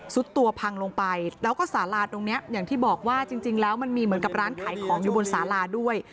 สุดตัวพังลงไปแล้วก็สาราตรงเนี้ยอย่างที่บอกว่าจริงแล้วมันมีเหมือนกับร้านขายของอยู่บนสาราด้วย